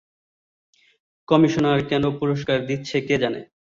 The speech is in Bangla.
কমিশনার কেন পুরষ্কার দিচ্ছে কে জানে।